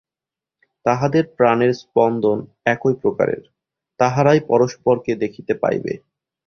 তাহাদের প্রাণের স্পন্দন একই প্রকারের, তাহারাই পরস্পরকে দেখিতে পাইবে।